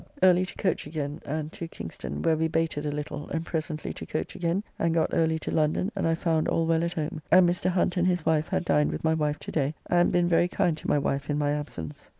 Early to coach again and to Kingston, where we baited a little, and presently to coach again and got early to London, and I found all well at home, and Mr. Hunt and his wife had dined with my wife to day, and been very kind to my wife in my absence.